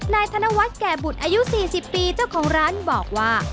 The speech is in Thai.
ธนวัฒน์แก่บุตรอายุ๔๐ปีเจ้าของร้านบอกว่า